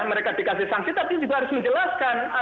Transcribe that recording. mereka dikasih sanksi tapi juga harus menjelaskan